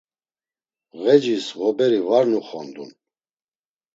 Ğecis ğoberi var nuxondun.